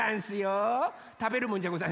たべるもんじゃござんせんよ。